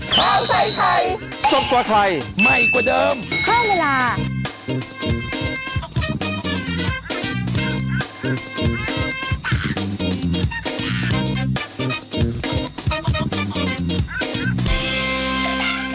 โปรดติดตามตอนต่อไป